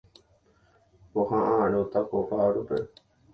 Poha'ãrõta ko ka'arúpe.